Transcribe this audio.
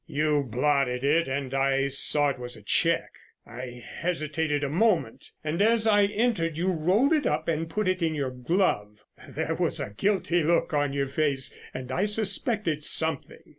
You blotted it and I saw it was a cheque. I hesitated a moment, and as I entered you rolled it up and put it in your glove. There was a guilty look on your face and I suspected something.